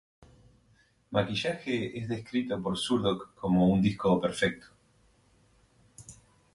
Maquillaje es descrito por Zurdok como "un disco perfecto".